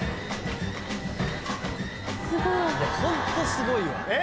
いやホントすごいわ。